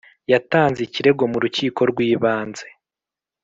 yatanze ikirego mu rukiko rw ibanze